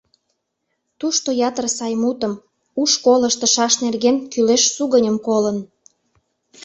Тушто ятыр сай мутым, у школ ыштышаш нерген кӱлеш сугыньым колын.